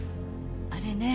あれね。